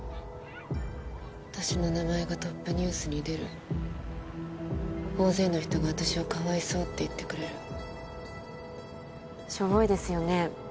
私の名前がトップニュースに出る大勢の人が私をかわいそうって言ってくれるしょぼいですよね